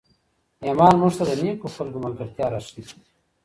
ایمان موږ ته د نېکو خلکو ملګرتیا راښیي.